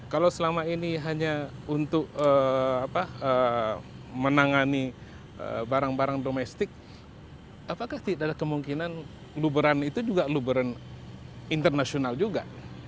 kalau selama ini hanya untuk menangani barang barang domestik apakah tidak ada kemungkinan luberan itu juga luberan internasional juga